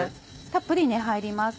たっぷり入ります。